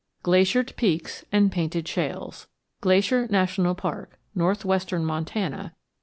XIII GLACIERED PEAKS AND PAINTED SHALES GLACIER NATIONAL PARK, NORTHWESTERN MONTANA.